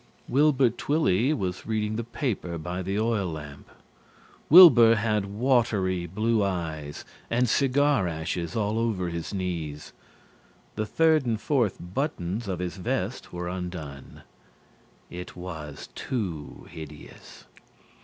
Wilbur Twilly was reading the paper by the oil lamp. Wilbur had watery blue eyes and cigar ashes all over his knees. The third and fourth buttons of his vest were undone. It was too hideous.